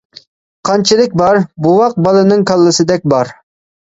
-قانچىلىك بار؟ -بوۋاق بالىنىڭ كاللىسىدەك بار!